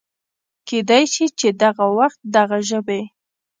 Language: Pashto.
کېدی شي چې دغه وخت دغه ژبې